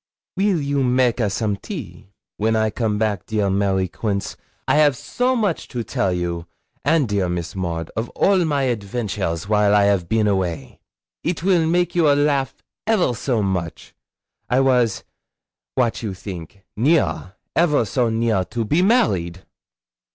'Weel you make a some tea? When I come back, dear Mary Quince, I 'av so much to tell you and dear Miss Maud of all my adventures while I 'av been away; it will make a you laugh ever so much. I was what you theenk? near, ever so near to be married!'